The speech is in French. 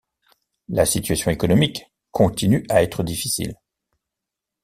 La situation économique continue à être difficile.